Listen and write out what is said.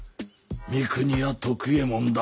三国屋徳右衛門だ。